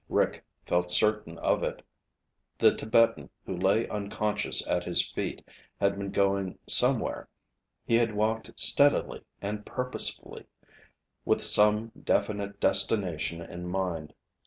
Rick felt certain of it. The Tibetan who lay unconscious at his feet had been going somewhere. He had walked steadily and purposefully, with some definite destination in mind.